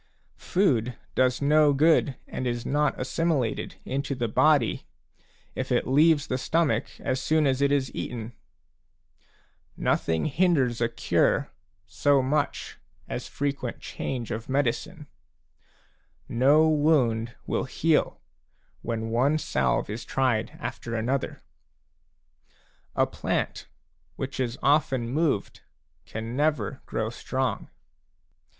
Food does no good and is not assimilated into the body if it leaves the stomach as soon as it is eaten ; nothing hinders a cure so much as frequent change of medicine ; no wound will heal when one salve is tried after another ; a plant which is often moved can never grow strong.